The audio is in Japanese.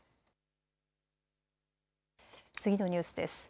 次のニュースです。